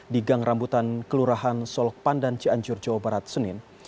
di gang rambutan kelurahan solok pandan cianjur jawa barat senin